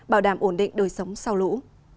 bảo đảm ổn định đời sống sau lũ